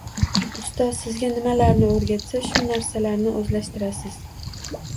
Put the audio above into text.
Ustoz Sizga nimalarni o’rgatsa, shu narsalarni o’zlashtirasiz